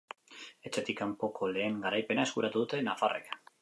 Etxetik kanpoko lehen garaipena eskuratu dute nafarrek.